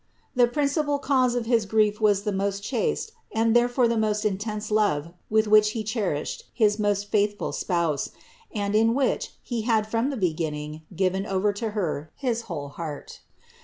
The principal cause of his grief was the most chaste, and therefore the most intense love with which he cherished his most faith 2 21 301 302 CITY OF GOD ful Spouse, and in which he had from the beginning given over to Her his whole heart.